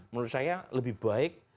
menurut saya lebih baik